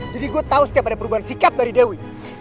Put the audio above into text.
jadi gue tahu setiap ada perubahan sikap dari dewi